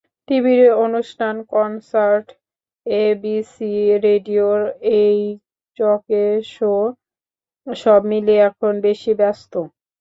টিভির অনুষ্ঠান, concert, ABC রেডিওর এইচকে শো—সব মিলিয়ে এখন বেশি ব্যস্ত।